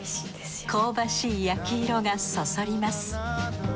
香ばしい焼き色がそそります。